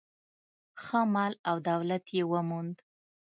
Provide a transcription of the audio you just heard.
ښه مال او دولت یې وموند.